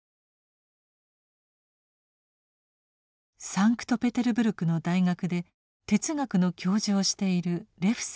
サンクトペテルブルクの大学で哲学の教授をしているレフさん。